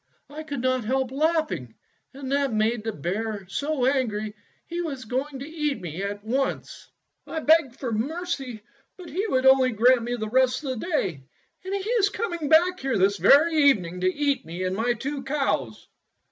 I could not help laughing, and that made the bear so angry he was going to eat me at once. I begged for mercy, but he would only 192 Fairy Tale Foxes grant me the rest of the day, and he is coming back here this very evening to eat me and my two cows."